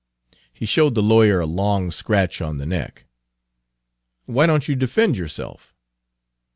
He showed the lawyer a long scratch on the neck. "Why don't you defend yourself?"